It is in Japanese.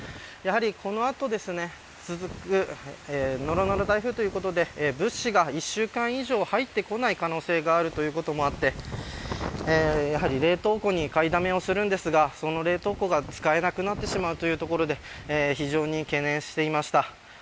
この後続く、のろのろ台風ということで、物資が１週間以上入ってこない可能性があるということもあって冷凍庫に買いだめをするんですがその冷凍庫が使えなくなってしまうというところで非常に懸念していました。